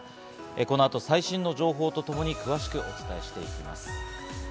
この後、最新の情報とともに詳しくお伝えしていきます。